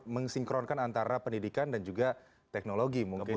mensinkronkan antara pendidikan dan juga teknologi mungkin